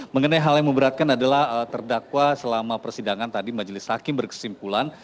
mengenai hal yang memberatkan adalah terdakwa selama persidangan tadi majelis hakim berkesimpulan